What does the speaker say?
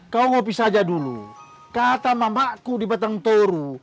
kau ngopi saja dulu kata mamaku di batang toru